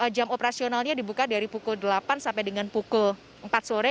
jam operasionalnya dibuka dari pukul delapan sampai dengan pukul empat sore